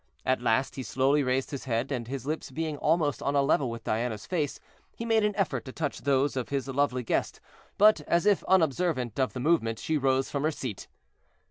At last he slowly raised his head, and his lips being almost on a level with Diana's face, he made an effort to touch those of his lovely guest, but as if unobservant of the movement, she rose from her seat.